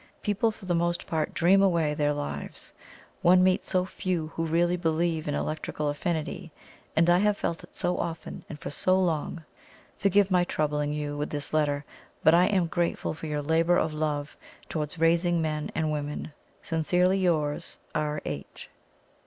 ... People for the most part dream away their lives; one meets so few who really believe in electrical affinity, and I have felt it so often and for so long. Forgive my troubling you with this letter, but I am grateful for your labour of love towards raising men and women. "Sincerely yours, "R. H."